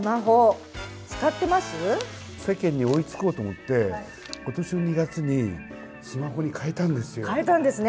世間に追いつこうと思ってことしの２月にスマホに変えたんですよ。